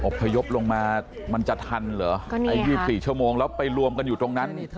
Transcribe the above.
พยพลงมามันจะทันเหรอไอ้๒๔ชั่วโมงแล้วไปรวมกันอยู่ตรงนั้น